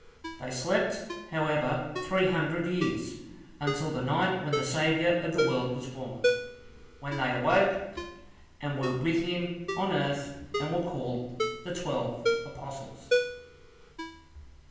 They slept, however, three hundred years, until the night when the Saviour of the world was born. Then they awoke, and were with him on earth, and were called the twelve apostles.